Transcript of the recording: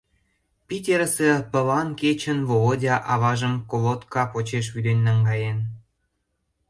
Питерысе пылан кечын Володя аважым колотка почеш вӱден наҥгаен.